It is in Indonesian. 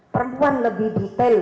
perempuan lebih detail